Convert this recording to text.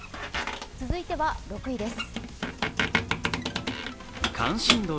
続いては６位です。